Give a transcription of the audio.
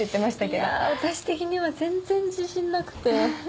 いや私的には全然自信なくて。